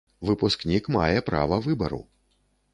Выпускнік мае права выбару.